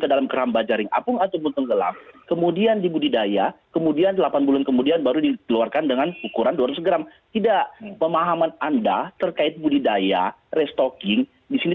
kalau mengelak seperti itu gitu